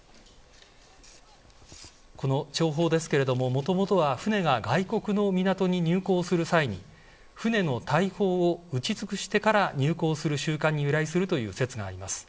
この弔砲ですけれどももともとは船が外国の港に入港する際に船の大砲を撃ち尽くしてから入港する習慣に由来するという説があります。